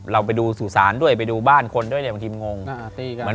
เราไปดูสุสานด้วยไปดูบ้านคนด้วยเรามันทิ้งงง